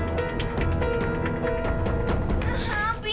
nanti aku bakal buktiin banget